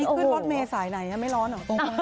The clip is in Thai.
นี่คือฟอสเมย์สายไหนยังไม่ร้อนเหรอ